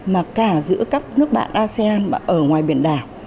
mà cả giữa các nước bạn asean ở ngoài biển đảo